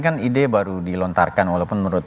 kan ide baru dilontarkan walaupun menurut